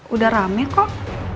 udah rame kok